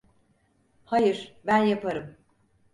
Hayır, ben yaparım.